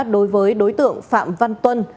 đối với đối tượng phạm văn tuân